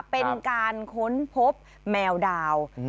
เป็นการค้นพบแมวดาว